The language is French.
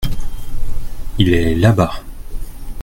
Il est là-bas.